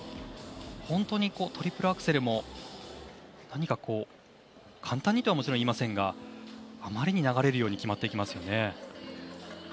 本当にトリプルアクセルも簡単にとは言いませんがあまりに流れるように決まっていきます。